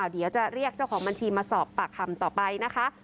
เดี๋ยวจะเรียกเจ้าของบัญชีมาสอบปากคำต่อไปนะคะ